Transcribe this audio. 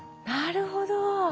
なるほど。